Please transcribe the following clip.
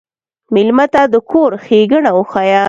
مېلمه ته د کور ښيګڼه وښیه.